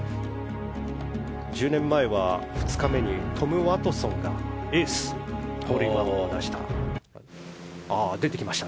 １０年前は２日目にトム・ワトソンがホールインワンを出した。